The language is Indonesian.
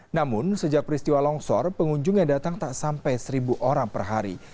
namun sejak peristiwa longsor pengunjung yang datang tak sampai seribu orang per hari